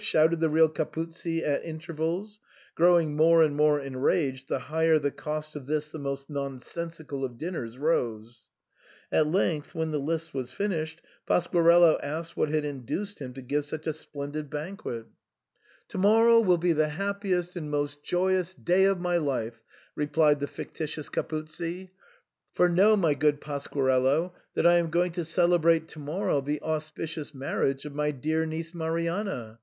shouted the real Capuzzi at intervals, growing more and more enraged the higher the cost of this the most nonsensical of dinners rose. At length, when the list was finished, Pasquarello asked what had induced him to give such a splendid banquet 148 SIGNOR FORMICA. " To morrow will be the happiest and most joyous day of my life," replied the fictitious CapuzzL " For know, my good Pasquarello, that I am going to celebrate to morrow the auspicious marriage of my dear niece Marianna.